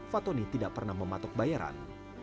fatoni tidak pernah mematok bayaran